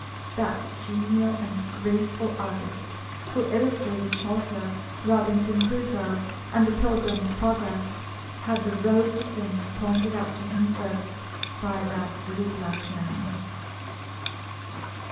That genial and graceful artist, who illustrated Chaucer, Robinson Crusoe, and The Pilgrim's Progress, had the road to fame pointed out to him first by that little black man.